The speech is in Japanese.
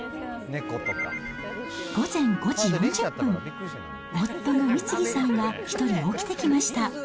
午前５時４０分、夫の美次さんは１人起きてきました。